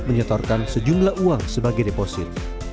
menyetorkan sejumlah uang sebagai deposit